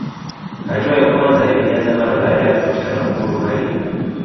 Hatua ya kwanza ilianza mara baada ya kupatikana uhuru hadi